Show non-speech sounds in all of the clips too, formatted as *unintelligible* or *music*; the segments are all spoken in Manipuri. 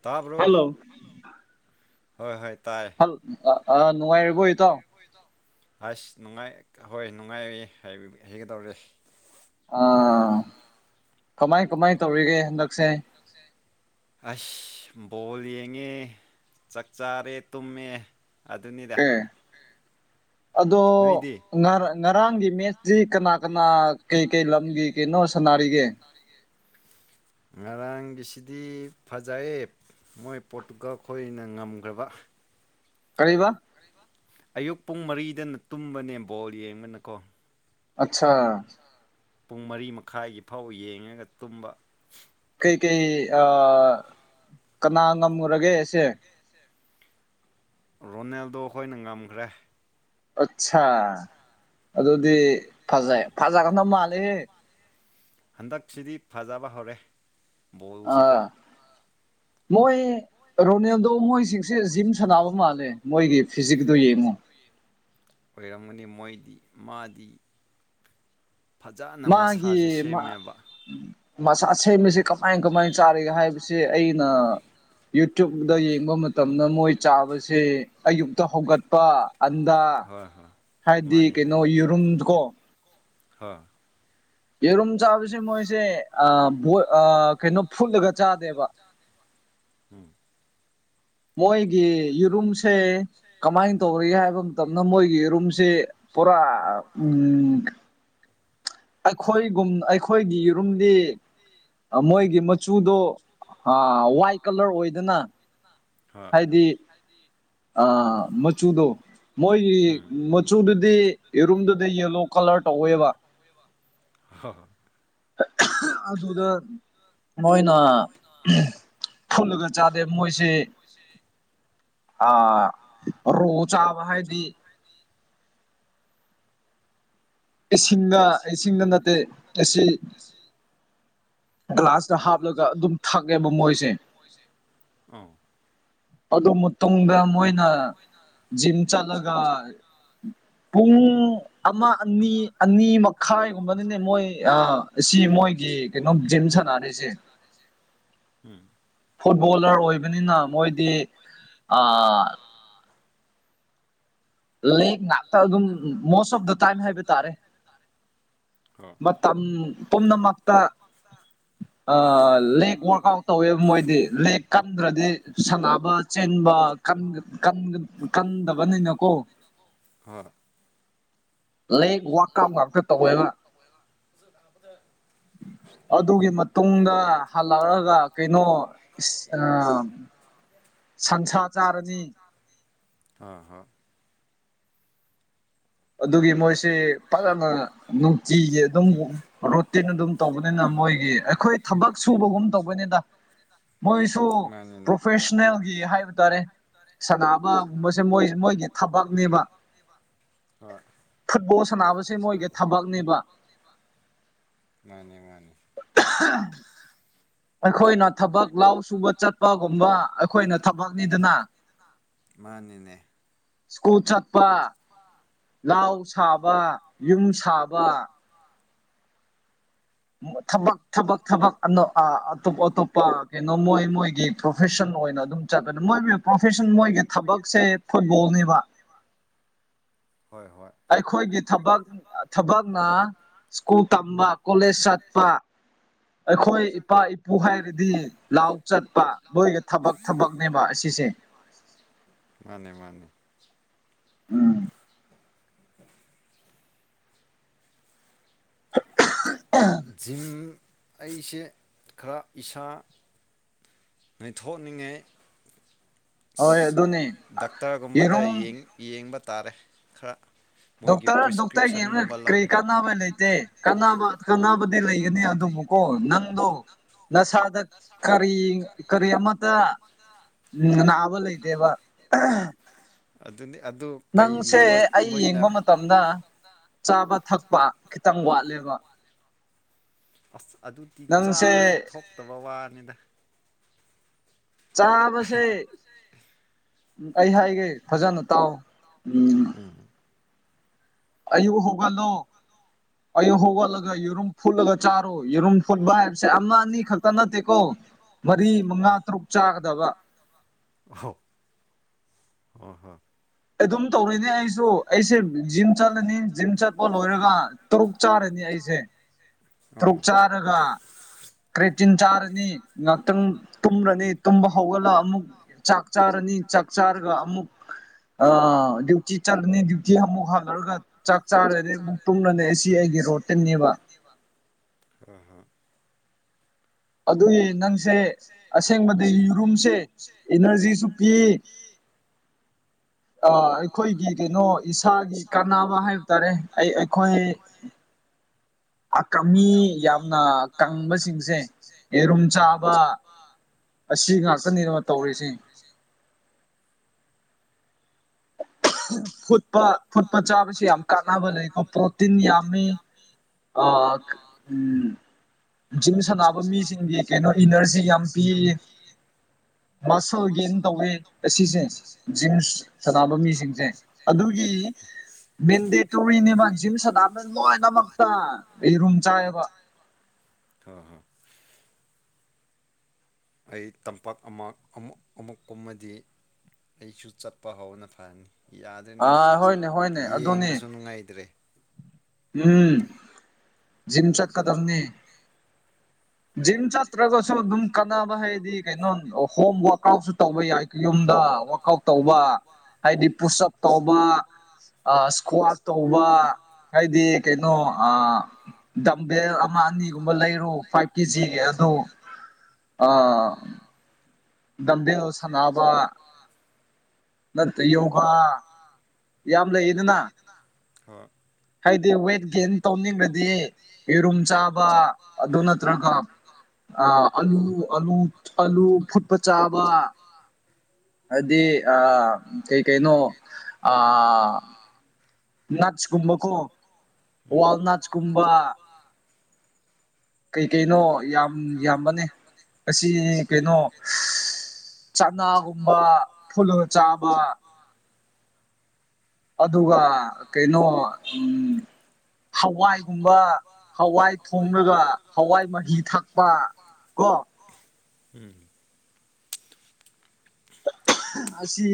ꯇꯥꯕꯣ ꯍꯣꯏ ꯍꯣꯏ ꯇꯥꯏ ꯐꯜ ꯑ ꯑ ꯅꯨꯡꯉꯥꯏꯔꯔꯤꯕꯣ ꯍ ꯇꯣ ꯍꯣꯏꯗꯣ ꯑꯁ ꯅꯨꯡꯉꯥꯏ ꯍꯣꯏ ꯅꯨꯡꯉꯥꯏ ꯍꯥꯏꯒꯗꯧꯔꯦ ꯑꯥ ꯀꯃꯥꯏ ꯀꯃꯥꯏ ꯇꯧꯔꯤꯒꯦ ꯍꯟꯗꯛꯁꯦ ꯀꯛꯁꯦ ꯑꯁ ꯕꯣꯜ ꯌꯦꯡꯉꯦ ꯆꯥꯛ ꯆꯥꯔꯦ ꯇꯨꯝꯃꯦ ꯑꯗꯨꯅꯤ ꯑꯦ ꯑꯗꯣ ꯉ ꯉꯔꯥꯡꯒꯤ ꯃꯦꯠꯁꯇ ꯀꯅꯥ ꯀꯅꯥ ꯀꯩ ꯀꯩ ꯂꯝꯒꯤ ꯀꯩꯅꯣ ꯉꯔꯥꯡꯒꯤꯁꯤꯗꯤ ꯐꯖꯩꯌꯦꯦ ꯃꯣꯏ ꯄꯣꯠꯇꯨꯒ ꯑꯩꯈꯣꯏꯅ ꯉꯝꯈ꯭ꯔꯕ ꯀꯕ ꯑꯌꯨꯛ ꯄꯨꯡ ꯃꯔꯤꯗꯅ ꯇꯨꯝꯕꯅꯦ ꯕꯣꯜ ꯌꯦꯡꯕꯅꯀꯣ ꯄꯨꯡ ꯃꯔꯤ ꯃꯈꯥꯏꯒꯤ ꯐꯥꯎ ꯌꯦꯡꯉꯒ ꯇꯨꯝꯕ ꯀꯩ ꯀꯩ ꯀꯅꯥ ꯉꯝꯃꯨꯔꯒꯦꯁꯦ ꯔꯣꯅꯦꯜꯗꯣ ꯑꯩꯈꯣꯏꯅ ꯉꯝꯈ꯭ꯔꯦ ꯑꯆꯥꯥ ꯑꯗꯨꯗꯤ ꯐꯖꯩ ꯐꯥꯖꯒ꯭ꯔꯗ ꯃꯥꯜꯂꯦꯍꯦ ꯍꯟꯗꯛꯁꯤꯗꯤ ꯐꯖꯕ ꯍꯧꯔꯦ ꯑ ꯃꯣꯏ ꯔꯣꯅꯦꯜꯗꯣ ꯃꯣꯏꯁꯤꯡꯁꯦ ꯖꯤꯝ ꯁꯥꯟꯅꯕ ꯃꯥꯜꯂꯦ ꯃꯣꯏꯒꯤ ꯐꯤꯖꯤꯛꯗꯨꯣ ꯌꯦꯡꯉꯨ ꯑꯣꯏꯔꯝꯒꯅꯤ ꯃꯣꯏꯗꯤ ꯃꯥꯗꯤ ꯃꯥꯒꯤ ꯃꯁ ꯑꯁꯦꯡꯕꯕꯁꯤ ꯀꯃꯥꯏ ꯀꯃꯥꯏꯅ ꯆꯥꯔꯤꯒꯦ ꯍꯥꯏꯕꯕꯁꯤ ꯑꯩꯅ ꯌꯨꯇ꯭ꯌꯨꯕꯗ ꯌꯦꯡꯕ ꯃꯇꯝ ꯃꯇꯝꯅ ꯃꯣꯏ ꯆꯥꯕꯁꯦ ꯑꯌꯨꯛꯇ ꯍꯧꯒꯠꯄ ꯑꯟꯗ ꯍꯣꯏ ꯍꯣꯏ ꯍꯥꯏꯗꯤ ꯀꯩꯅꯣ ꯌꯦꯔꯨꯝ ꯀꯣ ꯍꯥ ꯌꯦꯔꯨꯝ ꯆꯥꯕꯁꯦ ꯃꯣꯏꯁꯦ ꯀꯩꯅꯣ ꯐꯨꯠꯂꯒ ꯆꯥꯗꯦꯕ ꯎꯝ ꯃꯣꯏꯒꯤ ꯌꯦꯔꯨꯝꯁꯦ ꯀꯃꯥꯏꯅ ꯇꯧꯔꯤꯦ ꯍꯥꯏꯕ ꯃꯇꯝꯗ ꯃꯣꯏꯒꯤ ꯔꯨꯝꯁꯦ ꯄꯨꯔꯥ ꯎ ꯑꯩꯈꯣꯏꯒꯨꯝ ꯑꯩꯈꯣꯏꯒꯤ ꯌꯔꯨꯝꯗꯤ ꯃꯣꯏꯒꯤ ꯃꯆꯨꯗꯣ ꯋꯥꯏꯠ ꯀꯂꯔ ꯑꯣꯏꯗꯅ ꯍ ꯑꯥ ꯃꯆꯨꯗꯣ ꯃꯣꯏꯒꯤ ꯃꯆꯨꯗꯨꯗꯤꯔꯨꯝꯗꯨꯗ ꯌꯦꯂꯣ ꯀꯂꯔ ꯇꯧꯋꯦꯕ ꯍꯣꯏ ꯍꯣꯏ ꯑꯗꯨꯗ ꯃꯣꯏꯅ ꯐꯨꯜꯂꯒ ꯆꯥꯗꯦ ꯃꯣꯏꯁꯤ ꯑꯥ ꯔꯣ ꯆꯥꯕ ꯍꯥꯏꯗꯤ ꯏꯁꯤꯡꯅ ꯏꯁꯤꯡꯗ ꯅꯠꯇꯦ ꯑꯁꯤ ꯒ꯭ꯂꯥꯁꯇ ꯍꯥꯞꯂꯒ ꯑꯗꯨꯝ ꯊꯛꯑꯦꯕ ꯃꯣꯏꯁꯦ ꯑ ꯑꯗꯨ ꯃꯇꯨꯡꯗ ꯃꯣꯏꯅ ꯖꯤꯝ ꯆꯠꯂꯒ ꯄꯨꯡ ꯑꯃ ꯑꯅꯤ ꯑꯅꯤ ꯃꯈꯥꯏꯒꯨꯝꯕꯅꯤꯅꯦ ꯃꯣꯏ ꯑ ꯑꯁꯤ ꯃꯣꯏꯒꯤ ꯀꯩꯅꯣ ꯖꯤꯝ ꯁꯥꯟꯅꯔꯤꯁꯦ ꯎꯝ ꯐꯨꯠꯕꯣꯂꯔ ꯑꯣꯏꯕꯅꯤꯅ ꯃꯣꯏꯗꯤ ꯂꯦꯛ ꯉꯥꯛꯇ ꯑꯗꯨꯝ ꯃꯣꯁ ꯑꯣꯐ ꯗ ꯇꯥꯏꯝ ꯍꯥꯏꯕ ꯇꯥꯔꯦ ꯇꯥꯔꯦ ꯃꯇꯝ ꯄꯨꯝꯅꯃꯛꯇ ꯂꯦꯛ ꯋꯥꯔꯛ ꯑꯥꯎꯠ ꯇꯧꯋꯦꯕ ꯃꯣꯏꯗꯤ ꯂꯦꯛ ꯀꯟꯗ꯭ꯔꯗꯤ ꯁꯥꯟꯅꯕ ꯆꯦꯟꯕ ꯀꯟꯗꯕꯅꯤꯅꯀꯣ ꯍ ꯂꯩ ꯋꯞ ꯉꯥꯛꯇ ꯇꯧꯋꯦꯕ ꯇꯧꯈꯦ ꯑꯅ ꯇꯉꯛꯄꯗ ꯑꯗꯨꯒꯤ ꯃꯇꯨꯡꯗ ꯍꯜꯂꯛꯑꯒ ꯑ ꯁꯟꯁꯥ ꯆꯥꯔꯅꯤ ꯍꯥꯥ ꯍꯥꯥ ꯑꯗꯨꯒꯤ ꯃꯣꯏꯁꯤ ꯐꯖꯅ ꯅꯨꯡꯇꯤꯒꯤ ꯑꯗꯨꯝ ꯔꯣꯇꯤꯟ ꯑꯗꯨꯝ ꯇꯧꯕꯅꯤꯅ ꯃꯣꯏꯒꯤ ꯑꯩꯈꯣꯏ ꯊꯕꯛ ꯁꯨꯕꯒꯨꯝ ꯇꯧꯕꯅꯤꯗ ꯃꯣꯏꯁꯨ ꯄ꯭ꯔꯣꯐꯦꯁꯅꯦꯜꯒꯤ ꯍꯥꯏꯕ ꯇꯥꯔꯦ ꯁꯥꯟꯅꯕꯒꯨꯝꯕꯁꯦ ꯃꯣꯏ ꯃꯣꯏꯒꯤ ꯊꯕꯛꯅꯦꯕ ꯍꯥꯏꯕ ꯍꯣꯏ ꯐꯨꯠꯕꯣꯜ ꯁꯥꯟꯅꯕꯁꯦ ꯃꯣꯏꯒꯤ ꯊꯕꯛꯅꯦꯕ ꯃꯥꯅꯦ ꯃꯥꯅꯦ ꯑꯩꯈꯣꯏꯅ ꯊꯕꯛ ꯂꯥꯎ ꯁꯨꯕ ꯆꯠꯄꯒꯨꯝꯕ ꯑꯩꯈꯣꯏꯅ ꯊꯕꯛꯅꯤꯗꯅ ꯃꯥꯅꯤꯅꯦ ꯁꯀꯣ ꯆꯠ ꯈꯨꯠ ꯆꯠꯄ ꯂꯥꯎ ꯁꯥꯕ ꯌꯨꯝ ꯁꯥꯕ ꯑ ꯊꯕꯛ ꯊꯕꯛ ꯊꯕꯛ ꯑ ꯑꯇꯣꯞ ꯑꯇꯣꯞꯄ ꯀꯩꯅꯣ ꯃꯣꯏ ꯃꯣꯏꯒꯤ ꯄ꯭ꯔꯣꯐꯦꯁꯟ ꯑꯣꯏꯅ ꯑꯗꯨꯝ ꯆꯠꯄꯅꯤ ꯃꯣꯏ ꯄ꯭ꯔꯣꯐꯦꯁꯟ ꯃꯣꯏꯒꯤ ꯊꯕꯛꯁꯦ ꯐꯨꯠꯕꯣꯜꯅꯦꯕ ꯍꯣꯏ ꯍꯣꯏ ꯑꯩꯈꯣꯏꯒꯤ ꯊꯕꯛ ꯊꯕꯛꯅ ꯁ꯭ꯀꯨꯜ ꯇꯝꯕ ꯀꯣꯂꯦꯖ ꯆꯠꯄ ꯑꯩꯈꯣꯏ ꯏꯄꯥ ꯏꯄꯨ ꯍꯥꯏꯔꯗꯤ ꯂꯥꯎ ꯆꯠꯄ ꯃꯣꯏꯒꯤ ꯊꯕꯛ ꯊꯕꯛꯅꯦꯕ ꯑꯁꯤꯁꯦ ꯃꯥꯅꯦ ꯃꯥꯅꯦ ꯎꯝ ꯖꯤꯝ ꯑꯩꯁꯦ ꯈꯔ ꯏꯁꯥ ꯅꯩꯊꯣꯛꯍꯅꯤꯡꯉꯥꯏ ꯑꯍ ꯗꯥꯛꯇꯔꯒꯨꯝꯕꯗ ꯌꯦꯡꯕ ꯇꯥꯔꯦ ꯈꯔ ꯗꯣꯛꯇꯔ ꯗꯣꯛꯇꯔ ꯌꯦꯡꯉ ꯀꯔꯤ ꯀꯥꯟꯅꯕ ꯂꯩꯇꯦ ꯀꯥꯟꯅ ꯀꯥꯟꯅꯕꯗꯤ ꯂꯩꯒꯅꯤ ꯑꯗꯨꯕꯨꯀꯣ ꯅꯪꯗꯣ ꯅꯁꯥꯗ ꯀꯔꯤ ꯀꯔꯤ ꯑꯃꯇ ꯅꯥꯕ ꯂꯩꯇꯦꯕ ꯑꯗꯨꯅꯤ ꯑꯗꯨ ꯀꯩꯒꯨꯝꯕ ꯃꯣꯏꯅ ꯃꯇꯝꯗ ꯆꯥꯕ ꯊꯛꯄ ꯈꯤꯇꯪ ꯋꯥꯠꯂꯦꯕ ꯑꯁ ꯑꯗꯨꯗꯤ ꯆꯥꯔꯁꯨ ꯊꯣꯛꯇꯕ ꯋꯥꯅꯤꯗ ꯆꯥꯕꯁꯦ ꯑꯩ ꯍꯥꯏꯒꯦ ꯐꯖꯅ ꯇꯥꯎ ꯎꯝ ꯑꯌꯨꯛ ꯍꯧꯒꯠꯂꯣ ꯑꯌꯨꯛ ꯍꯧꯒꯠꯂꯒ ꯌꯦꯔꯨꯝ ꯐꯨꯠꯂꯒ ꯆꯥꯔꯣ ꯌꯦꯔꯨꯝ ꯐꯨꯠꯄ ꯍꯥꯏꯕꯁꯦ ꯑꯃ ꯑꯅꯤ ꯈꯛꯇ ꯅꯠꯇꯦꯀꯣ ꯃꯔꯤ ꯃꯉꯥ ꯇꯔꯨꯛ ꯆꯥꯒꯗꯕ ꯍꯣ ꯍꯣꯏ ꯍꯣꯏ ꯑꯗꯨꯝ ꯇꯧꯔꯤꯅꯦ ꯑꯩꯁꯨ ꯑꯩꯁꯦ ꯖꯤꯝ ꯆꯠꯂꯅꯤ ꯖꯤꯝ ꯆꯠꯄ ꯂꯣꯏꯔꯒ ꯇꯔꯨꯛ ꯆꯥꯔꯅꯤ ꯑꯩꯁꯦ *inaudible* ꯇꯔꯨꯛ ꯆꯥꯔꯒ ꯀ꯭ꯔꯦꯇꯤꯟ ꯆꯥꯔꯅꯤ ꯉꯍꯥꯛꯇꯪ ꯇꯨꯝꯔꯅꯤ ꯇꯨꯝꯕ ꯍꯧꯒꯠꯂꯒ ꯑꯃꯨꯛ ꯆꯥꯛ ꯆꯥꯔꯅꯤ ꯆꯥꯛ ꯆꯥꯔꯒ ꯑꯃꯨꯛ ꯑ ꯗ꯭ꯌꯨꯇꯤ ꯆꯠꯂꯅꯤ ꯗ꯭ꯌꯨꯇꯤ ꯑꯃꯨꯛ ꯍꯜꯂꯔꯒ ꯆꯥꯛ ꯆꯥꯔꯅꯤ ꯑꯃꯨꯛ ꯇꯨꯝꯂꯅꯤ ꯑꯁꯤ ꯑꯩꯒꯤ ꯔꯣꯠ *unintelligible* ꯑꯗꯨꯒꯤ ꯅꯪꯁꯦ ꯑꯁꯦꯡꯕꯗ ꯌꯦꯔꯨꯝꯁꯦ ꯏꯅꯔꯖꯤꯁꯨ ꯄꯤ *inaudible* ꯥꯑ ꯑꯩꯈꯣꯏꯒꯤ ꯀꯩꯅꯣ ꯏꯁꯥꯒꯤ ꯀꯥꯟꯅꯕ ꯍꯥꯏꯕ ꯇꯥꯔꯦ ꯑꯩ ꯑꯩꯈꯣꯏ ꯀꯃꯤ ꯌꯥꯝꯅ ꯀꯪꯕꯁꯤꯡꯁꯦ ꯌꯦꯔꯨꯝ ꯆꯥꯕ ꯑꯁꯤ ꯉꯥꯛꯇꯅꯦꯕ ꯇꯧꯔꯤꯁꯤ ꯐꯨꯠꯄ ꯐꯨꯠꯄ ꯆꯥꯕꯁꯤ ꯌꯥꯝ ꯀꯥꯟꯅꯕ ꯂꯩꯀꯣ ꯄ꯭ꯔꯣꯇꯤꯟ ꯌꯥꯝꯃꯤ ꯑ ꯎꯝ ꯖꯤꯝ ꯁꯥꯟꯅꯕ ꯃꯤꯁꯤꯡꯒꯤ ꯀꯩꯅꯣ ꯏꯅꯔꯖꯤ ꯌꯥꯝ ꯄꯤ ꯃꯁꯜ ꯒꯦꯟ ꯇꯧꯋꯦ ꯑꯁꯤꯁꯦ ꯖꯤꯝꯁ ꯁꯥꯟꯅꯕ ꯃꯤꯁꯤꯡꯁꯦ ꯑꯗꯨꯒꯤ ꯃꯦꯟꯗꯦꯇꯣꯔꯤꯅꯦ ꯖꯤꯝ ꯁꯥꯟꯅꯕ ꯂꯣꯏꯅꯃꯛ ꯑꯩ ꯔꯨꯝ ꯆꯥꯌꯦꯕ ꯍꯥ ꯍꯣꯏ ꯑꯩ ꯇꯝꯄꯥꯛ ꯑꯃ ꯑꯃꯨꯛ ꯑꯃꯨꯛꯀꯨꯝꯃꯗꯤ ꯑꯩꯁꯨ ꯆꯠꯄ ꯍꯧꯅ ꯐꯅꯤ ꯌꯥꯗꯦꯅꯦ ꯏꯁꯥꯁꯦ ꯌꯦꯡꯕꯁꯨ ꯅꯨꯡꯉꯥꯏꯇ꯭ꯔꯦ ꯎꯝ ꯖꯤꯝ ꯆꯠꯀꯗꯝꯅꯦ ꯖꯤꯝ ꯆꯠꯇ꯭ꯔꯒꯁꯨ ꯑꯗꯨꯝ ꯀꯥꯟꯅꯕ ꯍꯥꯏꯗꯤ ꯀꯩꯅꯣ ꯍꯣꯝ ꯋꯥꯔꯛ ꯑꯥꯎꯠꯁꯨ ꯇꯧꯕ ꯌꯥꯏ ꯌꯨꯝꯗ ꯋꯔꯥꯛ ꯑꯥꯎꯠ ꯇꯧꯕ ꯍꯥꯏꯗꯤ ꯄꯨꯁꯑꯞ ꯇꯧꯕ ꯏꯁꯀ꯭ꯋꯥꯠ ꯇꯧꯕ ꯍꯥꯏꯗꯤ ꯀꯩꯅꯣ ꯑꯃ ꯑꯅꯤꯒꯨꯝꯕ ꯂꯩꯔꯨ ꯐꯥꯏꯚ ꯀꯦꯖꯤꯒꯤ ꯑꯗꯨ *unintelligible* ꯗꯝꯗꯦꯜ ꯁꯥꯟꯅꯕ ꯌꯥꯝ ꯂꯩ ꯏꯗꯅ ꯍꯥꯏꯗꯤ ꯋꯦꯠ ꯒꯦꯟ ꯇꯧꯅꯤꯡꯕꯗꯤ ꯌꯦꯔꯨꯝ ꯆꯥꯕ ꯑꯗꯨ ꯅꯠꯇ꯭ꯔꯒ ꯑ ꯑꯂꯨ ꯑꯂꯨ ꯐꯨꯠꯄꯠ ꯎꯄꯆꯥꯥꯕ ꯍꯥꯏꯗꯤ ꯑ ꯀꯩ ꯀꯩꯅꯣ ꯑ ꯑꯥꯡ ꯅꯠꯁꯀꯨꯝꯕꯀꯣ ꯋꯥꯜꯅꯠꯁꯀꯨꯝꯕ ꯀꯩ ꯀꯩꯅꯣ ꯌꯥꯝ ꯌꯥꯝꯕꯅꯦ ꯑꯁꯤ ꯀꯩꯅꯣ ꯆꯅꯥꯒꯨꯝꯕ ꯐꯨꯂꯒ ꯆꯥꯕ ꯑꯗꯨꯒ ꯀꯩꯅꯣ ꯎꯝ ꯍꯋꯥꯏꯒꯨꯝꯕ ꯍꯋꯥꯏ ꯊꯣꯡꯡꯂꯒ ꯍꯋꯥꯏ ꯃꯍꯤ ꯊꯥꯛꯄ ꯀꯣ ꯎꯝ ꯑꯁꯤ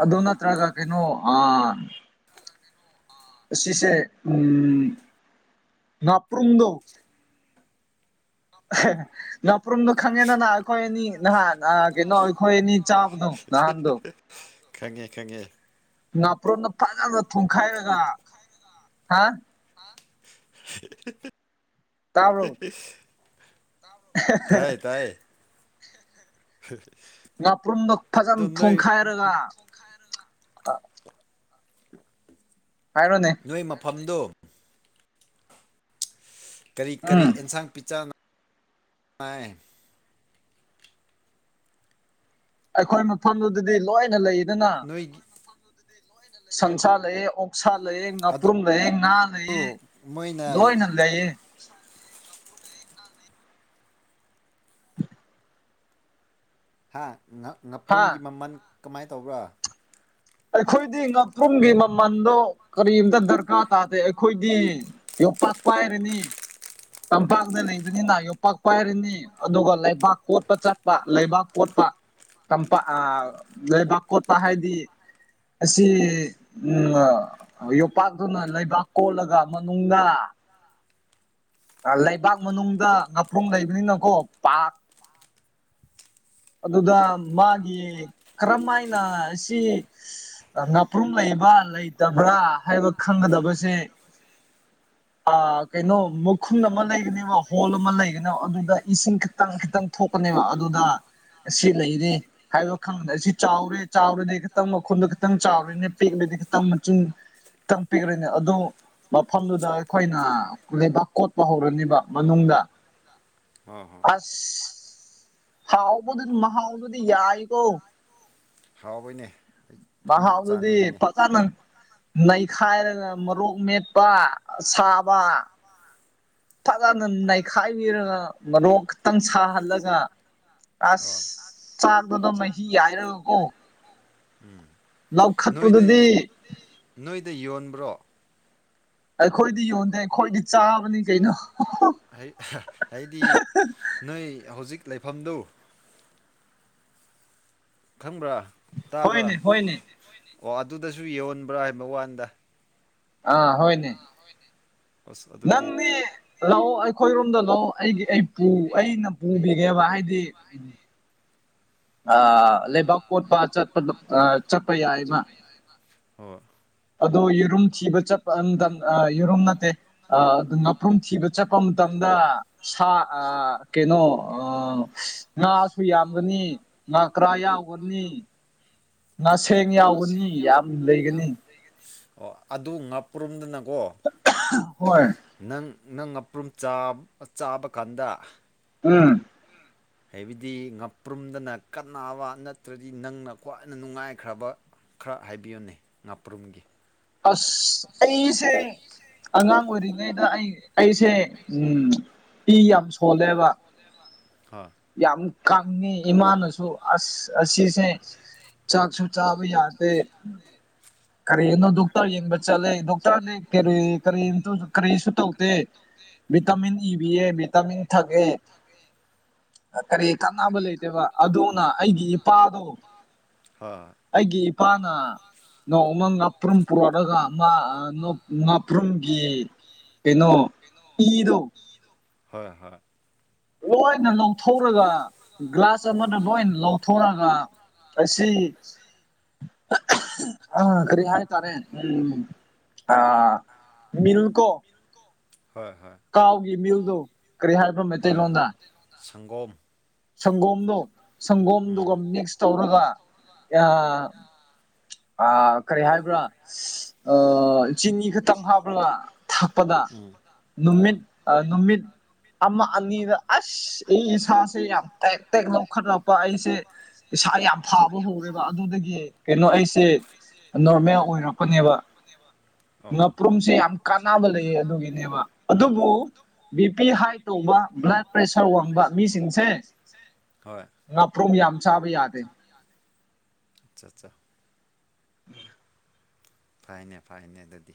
ꯑꯗꯨꯣ ꯅꯠꯇ꯭ꯔꯒ ꯀꯩꯅꯣ ꯁꯤꯁꯦ ꯉꯥꯄ꯭ꯔꯨꯝꯗ ꯈꯥꯪꯉꯦꯗꯅ ꯀꯩꯅꯣꯈꯣꯏ ꯈꯪꯉꯦ ꯈꯪꯉꯦ ꯉꯥꯄ꯭ꯔꯣꯟꯅ ꯐꯖꯅ ꯊꯣꯡꯈꯥꯏꯔꯒ ꯍꯥ *unintelligible* ꯇꯥꯏ ꯇꯥꯏ ꯉꯥꯄ꯭ꯔꯨꯝꯗꯣ ꯐꯖꯅ ꯊꯣꯡꯈꯥꯏꯔꯒ ꯊꯣꯡꯈꯏꯔꯒ ꯍꯥꯏꯔꯣꯟꯅꯦ ꯅꯣꯏ ꯃꯐꯝꯗꯨꯣ ꯀꯔꯤ ꯀꯔꯤ ꯏꯟꯁꯥꯡ ꯄꯤꯆꯥ ꯑꯩꯈꯣꯏ ꯃꯐꯝꯗꯨꯗꯗꯤ ꯂꯣꯏꯅ ꯂꯩꯗꯅ ꯅꯣꯏ ꯁꯪꯁꯥ ꯂꯩꯑ ꯑꯣꯛꯁꯥ ꯂꯩꯑ ꯉꯥꯄ꯭ꯔꯨꯝ ꯂꯩꯑ ꯉꯥ ꯂꯩꯑ ꯂꯣꯏꯅ ꯂꯩꯑ *unintelligible* ꯍꯥ ꯉꯄ꯭ꯔꯨꯝꯒꯤ ꯃꯃꯜ ꯀꯃꯥꯏꯅ ꯇꯧꯕ꯭ꯔꯥ ꯑꯩꯈꯣꯏꯗꯤ ꯉꯥꯄ꯭ꯔꯨꯝꯒꯤ ꯃꯃꯟꯗꯣ ꯀꯔꯤꯝꯇ ꯗꯔꯀꯥꯔ ꯇꯥꯗꯦ ꯑꯩꯈꯣꯏꯗꯤ ꯌꯣꯄꯥꯛ ꯄꯥꯏꯔꯅꯤ ꯇꯝꯄꯥꯛꯇ ꯂꯩꯕꯅꯤꯅ ꯌꯣꯄꯥꯛ ꯄꯥꯏꯔꯅꯤ ꯑꯗꯨꯒ ꯂꯩꯕꯥꯛ ꯀꯣꯠꯄ ꯆꯠꯄ ꯂꯩꯕꯥꯛ ꯀꯣꯠꯄ ꯇꯝꯄꯥ ꯑ ꯂꯩꯕꯥꯛ ꯀꯣꯠꯄ ꯍꯥꯏꯗꯤ ꯑꯁꯤ ꯎꯝ ꯌꯣꯄꯥꯛꯇꯨꯅ ꯂꯩꯕꯥꯛ ꯀꯣꯜꯂꯒ ꯃꯅꯨꯡꯗ *unintelligible* ꯂꯩꯕꯥꯛ ꯃꯅꯨꯡꯗ ꯉꯥꯄ꯭ꯔꯨꯝ ꯂꯩꯕꯅꯤꯅꯀꯣ ꯄꯥꯛ ꯑꯗꯨꯗ ꯃꯥꯒꯤ ꯀꯔꯝ ꯍꯥꯏꯅ ꯑꯁꯤ ꯉꯥꯄ꯭ꯔꯨꯝ ꯂꯩꯕ ꯂꯩꯇꯕ꯭ꯔꯥ ꯍꯥꯏꯕ ꯈꯪꯒꯗꯕꯁꯦ ꯀꯩꯅꯣ ꯃꯈꯨꯟ ꯑꯃ ꯂꯩꯒꯅꯦꯕ ꯍꯣꯜ ꯑꯃ ꯂꯩꯒꯅꯦꯕ ꯑꯗꯨꯗ ꯏꯁꯤꯡ ꯈꯤꯇꯪ ꯈꯤꯇꯪ ꯊꯣꯛꯀꯅꯦꯕ ꯑꯗꯨꯗ ꯑꯁꯤ ꯂꯩꯔꯤ ꯍꯥꯏꯕ ꯈꯪꯕꯗ ꯑꯁꯤ ꯆꯥꯎꯔꯦ ꯆꯥꯎꯔꯗꯤ ꯈꯤꯇꯪ ꯃꯈꯨꯜꯗꯣ ꯈꯤꯇꯪ ꯆꯥꯎꯔꯦꯅꯦ ꯄꯦꯛꯂꯗꯤ ꯈꯤꯇꯪ ꯃꯆꯤꯟ ꯈꯤꯇꯪ ꯄꯤꯈ꯭ꯔꯦꯅꯦ ꯑꯗꯨꯣ ꯃꯐꯝꯗꯨꯗ ꯑꯩꯈꯣꯏꯅ ꯂꯩꯕꯥꯛ ꯀꯣꯠꯄ ꯍꯧꯔꯅꯤꯕ ꯃꯅꯨꯡꯗ꯫ ꯑꯁ ꯍꯥꯎꯕꯗꯨꯗꯤ ꯃꯍꯥꯎꯗꯨꯗꯤ ꯌꯥꯔꯤꯀꯣ꯫ ꯍꯥꯎꯋꯤꯅꯦ ꯑꯩ ꯃꯍꯥꯎꯗꯨꯗꯤ ꯐꯖꯅ ꯅꯩꯈꯥꯏꯔꯒ ꯃꯣꯔꯣꯛ ꯃꯦꯠꯄ ꯑꯁꯥꯕ꯫ ꯐꯖꯅ ꯅꯩꯈꯥꯏꯕꯤꯔꯒ ꯃꯔꯣꯛ ꯈꯤꯇꯪ ꯁꯥꯍꯜꯂꯒ꯫ ꯑꯁ ꯆꯥꯛꯗꯨꯗ ꯃꯍꯤ ꯌꯥꯏꯔꯒꯀꯣ꯫ ꯅꯣꯏꯗ ꯅꯣꯏꯗ ꯌꯣꯟꯕ꯭ꯔꯣ? ꯑꯩꯈꯣꯏꯗꯤ ꯌꯣꯟꯗꯦ ꯑꯩꯈꯣꯏꯗꯤ ꯆꯥꯕꯅꯤ ꯀꯩꯅꯣ ꯍꯍꯥ ꯍꯥ꯫ ꯍꯥꯏ ꯑꯍꯥ ꯍꯥꯏꯗꯤ ꯅꯣꯏ ꯍꯧꯖꯤꯛ ꯂꯩꯐꯝꯗꯣ꯫ ꯈꯪꯕ꯭ꯔꯥ ꯇꯥꯕ꯭ꯔꯥ? ꯑꯣ ꯑꯗꯨꯗꯁꯨ ꯌꯣꯟꯕ꯭ꯔꯥ ꯍꯥꯏꯕ ꯋꯥꯟꯗ꯫ ꯑꯥ ꯍꯣꯏꯅꯦ꯫ ꯍꯣꯌꯅꯦ꯫ ꯉꯝꯃꯦ꯫ ꯂꯥꯛꯑꯣ ꯑꯩꯈꯣꯏꯔꯣꯝꯗ ꯂꯥꯛꯑꯣ ꯑꯩꯒꯤ ꯑꯩ ꯄꯨ ꯑꯩꯅ ꯄꯨꯕꯤꯒꯦꯕ ꯍꯥꯏꯗꯤ꯫ ꯊꯕ ꯍꯥꯏꯗꯤ ꯑꯥ ꯑ ꯂꯩꯕꯥꯛ ꯀꯣꯠꯄ ꯆꯠꯄꯗꯣ ꯆꯠꯄ ꯌꯥꯏꯕ ꯍꯣ ꯑꯗꯣ ꯌꯦꯔꯨꯝ ꯊꯤꯕ ꯆꯠꯄ ꯑꯇꯝ ꯌꯦꯔꯨꯝ ꯅꯠꯇꯦ ꯑ ꯉꯥꯄ꯭ꯔꯨꯝ ꯊꯤꯕ꯫ ꯆꯠꯄ ꯃꯇꯝꯗ ꯁꯥ ꯑꯥ ꯀꯩꯅꯣ ꯑ ꯉꯥꯁꯨ ꯌꯥꯝꯒꯅꯤ ꯉꯥꯀꯔꯥ ꯌꯥꯎꯒꯅꯤ꯫ ꯉꯥꯁꯦꯛ ꯌꯥꯎꯒꯅꯤ ꯌꯥꯝ ꯂꯩꯒꯅꯤ ꯑꯣ ꯑꯗꯨ ꯉꯥꯄꯔꯨꯝꯗꯨꯅꯀꯣ ꯑꯍꯥ ꯍꯣꯏ ꯅꯪ ꯅꯪ ꯉꯥꯄ꯭ꯔꯨꯝ ꯆꯥꯝ ꯆꯥꯕ ꯀꯥꯟꯗ꯫ ꯎꯝ ꯍꯥꯏꯕꯗꯤ ꯉꯄ꯭ꯔꯨꯝꯗꯅ ꯀꯟꯅꯕ ꯅꯠꯇ꯭ꯔꯗꯤ ꯅꯪꯅ ꯈ꯭ꯋꯥꯏꯅ ꯅꯨꯡꯉꯥꯏꯈ꯭ꯔꯕ ꯈꯔ ꯍꯥꯏꯕꯤꯌꯨꯅꯦ ꯉꯥꯄꯔꯨꯝꯒꯤ ꯑꯁ ꯑꯩꯁꯦ ꯑꯉꯥꯡ ꯑꯣꯏꯔꯤꯉꯩꯗ ꯑꯩ ꯑꯩꯁꯦ ꯎꯝ ꯏ ꯌꯥꯝ ꯁꯣꯂꯦꯕ ꯑꯥ ꯌꯥꯝ ꯀꯪꯉꯤ ꯏꯃꯥꯅꯁꯨ ꯑꯁ ꯑꯁꯤꯁꯦ ꯆꯥꯛꯁꯨ ꯆꯥꯕ ꯌꯥꯗꯦ ꯀꯔꯤꯅꯣ ꯗꯨꯛ ꯗꯣꯛꯇꯔ ꯌꯦꯡꯕ ꯆꯠꯂꯦ ꯗꯣꯛꯇꯔꯗꯤ ꯀꯔꯤ ꯀꯔꯤꯝꯇ ꯀꯔꯤꯁꯨ ꯇꯧꯗꯦ ꯇꯧꯗꯦ ꯚꯤꯇꯥꯃꯤꯟ ꯗꯤ ꯄꯤꯌꯦ ꯚꯤꯇꯥꯃꯤꯟ ꯊꯛꯑꯦ ꯀꯔꯤ ꯀꯥꯟꯅꯕ ꯂꯩꯇꯦꯕ ꯑꯗꯨꯅ ꯑꯩꯒꯤ ꯏꯄꯥꯗꯣ ꯍꯣꯏ ꯑꯩꯒꯤ ꯏꯄꯥꯅ ꯅꯣꯡꯃ ꯉꯥꯄ꯭ꯔꯨꯝ ꯄꯨꯔꯛ ꯄꯣꯔꯛꯑꯒ ꯃꯥ ꯑꯥ ꯉꯥꯄ꯭ꯔꯨꯝꯒꯤ ꯀꯩꯅꯣ ꯀꯩꯅꯣ ꯏꯗꯣ ꯍꯣꯏ ꯍꯣꯏ ꯂꯣꯏꯅ ꯂꯧꯊꯣꯛꯔꯒ ꯒ꯭ꯂꯥꯁ ꯑꯃꯗ ꯂꯣꯏꯅ ꯂꯧꯊꯣꯛꯔꯒ ꯑꯥ ꯉꯁꯤ ꯑꯍꯥ ꯑꯥ ꯀꯔꯤ ꯍꯥꯏꯇꯥꯔꯦ ꯎꯝ ꯑꯥ ꯃꯤꯜꯀꯣ ꯍꯣꯏ ꯍꯣꯏ ꯀꯥꯎꯒꯤ ꯃꯤꯜꯗꯣ ꯀꯔꯤ ꯍꯥꯏꯕ꯭ꯔꯣ ꯃꯩꯇꯩꯂꯣꯟꯗ ꯁꯪꯒꯣꯝ ꯁꯪꯒꯣꯝꯗꯣ ꯁꯪꯒꯣꯝꯗꯨꯒ ꯃꯤꯛꯁ ꯇꯧꯔꯒ *unintelligible* ꯑꯥ ꯀꯔꯤ ꯍꯥꯏꯕ꯭ꯔꯥ ꯑꯥ ꯆꯤꯅꯤ ꯈꯛꯇꯪ ꯍꯥꯞꯔꯒꯥ ꯊꯛꯄꯗ ꯅꯨꯃꯤꯠ ꯑꯥ ꯅꯨꯃꯤꯠ ꯑꯃ ꯑꯅꯤꯗ ꯑꯁ ꯑꯩ ꯏꯁꯥꯁꯦ ꯌꯥꯝ ꯇꯦꯛ ꯇꯦꯛ ꯂꯧꯈꯠꯂꯛꯄ ꯑꯩꯁꯦ ꯏꯁꯥ ꯌꯥꯝ ꯐꯥꯕ ꯍꯧꯔꯦꯕ ꯑꯗꯨꯗꯒꯤ ꯀꯩꯅꯣ ꯑꯩꯁꯦ ꯅꯣꯔꯃꯦꯜ ꯑꯣꯏꯔꯛꯄꯅꯦꯕ ꯉꯥꯄ꯭ꯔꯨꯝꯁꯦ ꯌꯥꯝ ꯀꯥꯟꯅꯕ ꯂꯩꯌꯦ ꯑꯗꯨꯒꯤꯅꯦꯕ ꯑꯗꯨꯕꯨ ꯕꯤ ꯄꯤ ꯍꯥꯏ ꯇꯧꯕ ꯕ꯭ꯂꯠ ꯄ꯭ꯔꯦꯁꯔ ꯋꯥꯡꯕ ꯃꯤꯁꯤꯡꯁꯦ ꯍꯣꯏ ꯉꯥꯄ꯭ꯔꯨꯝ ꯌꯥꯝ ꯆꯥꯕ ꯌꯥꯗꯦ ꯆꯥ ꯆꯥ *inaudible* ꯐꯩꯅꯦ ꯐꯩꯅꯦ ꯑꯗꯨꯗꯤ